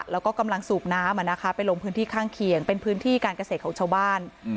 แล้วก็กำลังสูบน้ำไปลงพื้นที่ข้างเคียงเป็นพื้นที่การเกษตรของชาวบ้าน